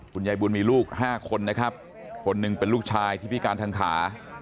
คุณยายบุญมีลูก๕คนนะครับคนหนึ่งเป็นลูกชายที่พิการทางขา